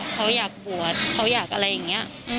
เขาอยากบวชเขาอยากอะไรอย่างนี้